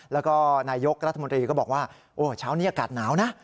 แล้วก็นายกรัฐมนตรีก็บอกว่าโอ้เช้านี้อากาศหนาวนะ